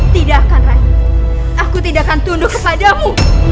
tidak akan rai aku tidak akan tunduk kepadamu